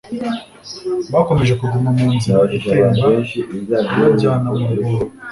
bakomeje kuguma mu nzira itemba ibajyana mu rwobo